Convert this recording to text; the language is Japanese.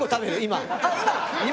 今！？